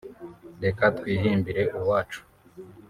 reka twihimbire uwacu